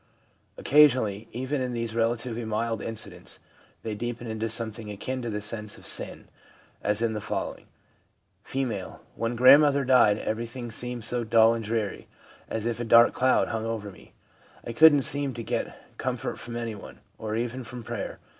Occasionally, even, in these relatively mild incidents, they deepen into something akin to the sense of sin, as in the following : F. ' When grandmother died, everything seemed so dull and dreary, as if a dark cloud hung over me. I couldn't seem to get comfort from anyone, or even from prayer.